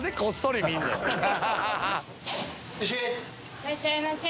いらっしゃいませ。